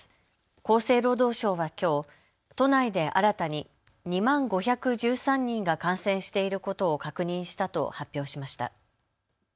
厚生労働省はきょう都内で新たに２万５１３人が感染していることを確認したと発表しました。